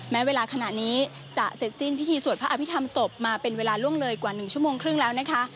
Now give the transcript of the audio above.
แม้เวลาขณะนี้จะเสร็จสิ้นพิธีสวดพระอภิษฐรรมศพมาเป็นเวลาล่วงเลยกว่า๑ชั่วโมงครึ่งแล้วนะคะ